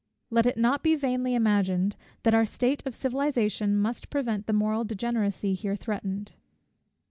Let it not be vainly imagined, that our state of civilization must prevent the moral degeneracy here threatened.